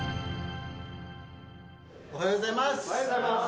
おはようございます。